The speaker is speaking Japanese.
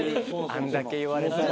あんだけ言われたら。